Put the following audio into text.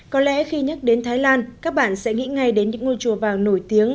có lẽ khi nhắc đến thái lan các bạn sẽ nghĩ ngay đến những ngôi chùa vàng nổi tiếng